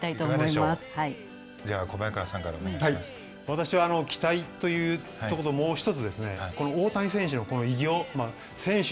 私は期待というとこともう一つ大谷選手のこの偉業選手